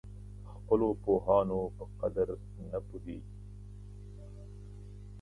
خپلو پوهانو په قدر نه پوهېږي.